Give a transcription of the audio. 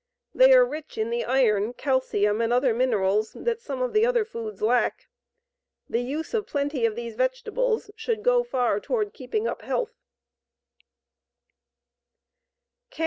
They are rich in the iron, calcium, and other minerals that some of the other foods lack. The use of plenty of these vegetables should go far toward keeping up health.